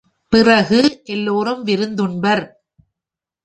பிறகு எல்லோரும் விருந்துண்பர்.